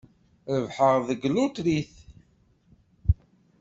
Rebḥeɣ deg tlutrit.